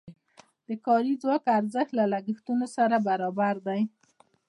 د کاري ځواک ارزښت له لګښتونو سره برابر دی.